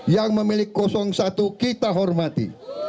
yang memiliki satu kita hormati